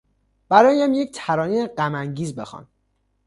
برایم یک ترانهی غمانگیز بخوان.